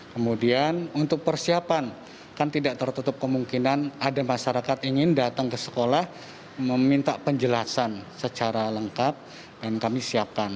kemudian untuk persiapan kan tidak tertutup kemungkinan ada masyarakat ingin datang ke sekolah meminta penjelasan secara lengkap dan kami siapkan